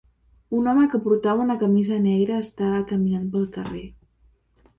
Un home que portava una camisa negre està caminant pel carrer.